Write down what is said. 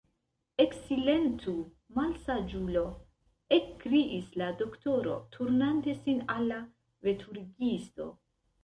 Eksilentu, malsaĝulo! ekkriis la doktoro, turnante sin al la veturigisto.